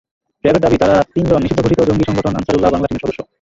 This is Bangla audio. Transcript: র্যাবের দাবি, তাঁরা তিনজন নিষিদ্ধঘোষিত জঙ্গি সংগঠন আনসারুল্লাহ বাংলা টিমের সদস্য।